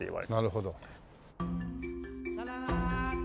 なるほど。